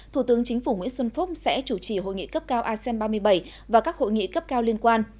thủ tướng chính phủ nguyễn xuân phúc sẽ chủ trì hội nghị cấp cao asean ba mươi bảy và các hội nghị cấp cao liên quan